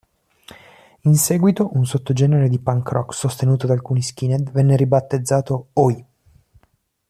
In seguito, un sottogenere di punk rock sostenuto da alcuni skinhead venne ribattezzato "Oi!".